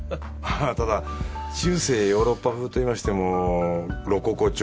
ただ中世ヨーロッパ風といいましてもロココ調